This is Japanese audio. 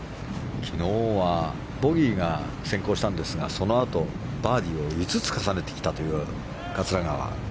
昨日はボギーが先行したんですがそのあとバーディーを５つ重ねてきた桂川。